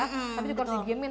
tapi juga harus digiemin